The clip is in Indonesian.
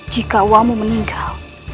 jika uamu meninggal